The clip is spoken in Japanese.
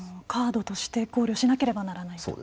カードとして考慮しなければならないと。